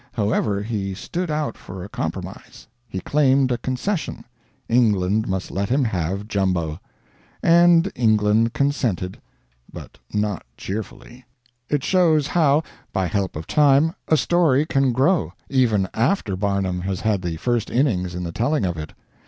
However, he stood out for a compromise; he claimed a concession England must let him have Jumbo. And England consented, but not cheerfully." It shows how, by help of time, a story can grow even after Barnum has had the first innings in the telling of it.